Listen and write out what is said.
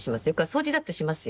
掃除だってしますよ。